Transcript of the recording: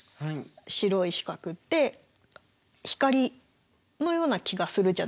白い四角って光のような気がするじゃないですか？